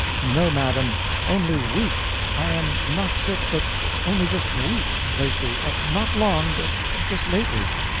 "No, madam, only weak; I am not sick, but only just weak lately; not long, but just lately."